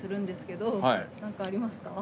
何かありますか？